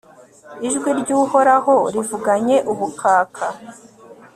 ijwi ry'uhoraho rivuganye ubukaka